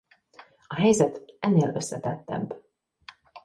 A helyzet ennél összetettebb.